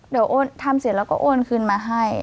เดี๋ยวโอนทำเสร็จแล้วก็โอนคืนมาให้